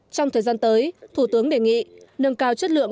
trong thời gian tới thủ tướng đề nghị nâng cao chất lượng